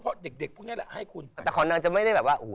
เพราะเด็กเด็กพวกนี้แหละให้คุณแต่ของนางจะไม่ได้แบบว่าโอ้โห